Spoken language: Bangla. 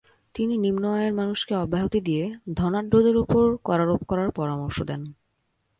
তিনি নিম্ন আয়ের মানুষকে অব্যাহতি দিয়ে ধনাঢ্যদের ওপর করারোপ করার পরামর্শ দেন।